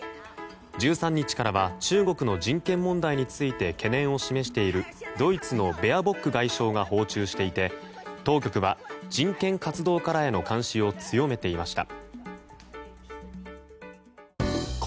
１３日からは中国の人権問題について懸念を示しているドイツのベアボック外相が訪中していて当局は、人権活動家らへの監視を強めていました。